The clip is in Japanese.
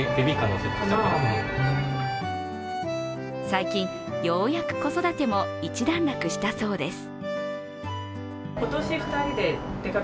最近、ようやく子育ても一段落したそうです。